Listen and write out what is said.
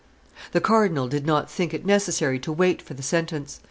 The cardinal did not think it necessary to wait for the sentence.